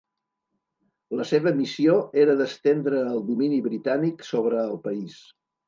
La seva missió era d'estendre el domini britànic sobre el país.